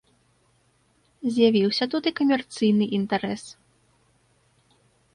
З'явіўся тут і камерцыйны інтарэс.